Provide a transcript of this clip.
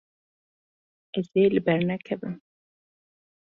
Ez ê li ber nekevim.